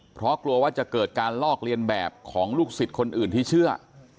เพราะกลัวว่าจะเกิดการลอกเลียนแบบของลูกศิษย์คนอื่นที่เชื่อ